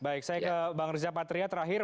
baik saya ke bang riza patria terakhir